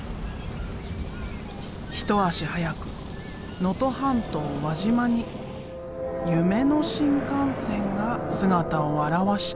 一足早く能登半島輪島に夢の新幹線が姿を現した。